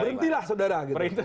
berhenti lah sodara